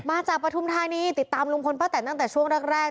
ปฐุมธานีติดตามลุงพลป้าแต่นตั้งแต่ช่วงแรก